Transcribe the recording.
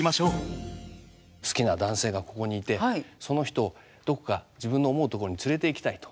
好きな男性がここにいてその人をどこか自分の思うとこに連れていきたいと。